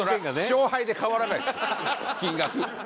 勝敗で変わらないです金額。